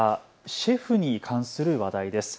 シェフに関する話題です。